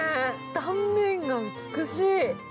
断面が美しい。